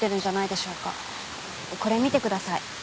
これ見てください。